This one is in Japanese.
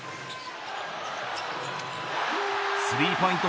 スリーポイント